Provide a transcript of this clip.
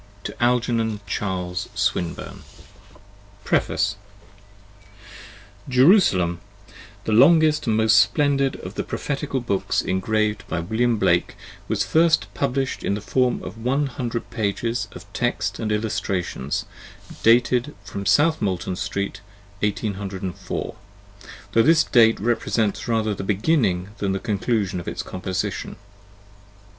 TO ALGERNON CHARLES SWINBURNE PREFACE " T ERUSALEM," the longest and the most splendid of the Prophetical J Books engraved by WILLIAM BLAKE, was first published in the form of one hundred pages of text and illustrations, dated from South Molton Street, 1 804, though this date represents rather the beginning than the conclusion of its composition.